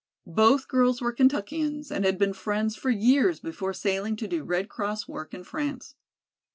Both girls were Kentuckians and had been friends for years before sailing to do Red Cross work in France.